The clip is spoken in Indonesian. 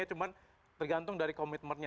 cuma tergantung dari komitmennya